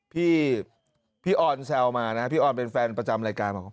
พี่ออนแซวมานะพี่ออนเป็นแฟนประจำรายการบอกว่า